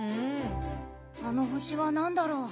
あの星は何だろう。